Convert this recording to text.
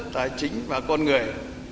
tài chính và con người